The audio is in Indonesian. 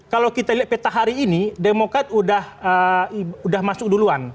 kalau kita lihat peta hari ini demokrat sudah masuk duluan